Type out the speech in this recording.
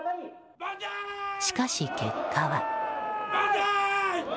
しかし、結果は。